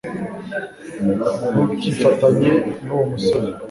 Ntukifatanye nuwo musore